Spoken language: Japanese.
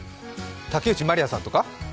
竹内まりやさんとか。